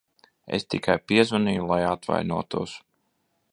Es tikai piezvanīju, lai atvainotos.